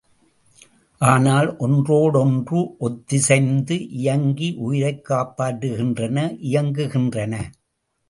ஆனால் ஒன்றோடொன்று ஒத்திசைந்து இயங்கி உயிரைக் காப்பாற்றுகின்றன இயக்குகின்றன.